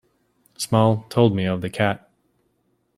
Small told me of the cat.